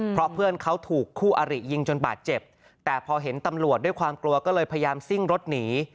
เพราะเพื่อนเขาถูกคู่อาริยิงจนบาดเจ็บแต่พอเห็นตำรวจด้วยความกลัวก็เลยพยายามซิ่งรถหนี